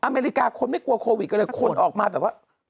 อเมริกาคนไม่กลัวโควิดกันเลยคนออกมาแบบว่า